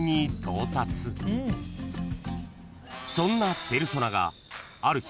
［そんなペルソナがある日］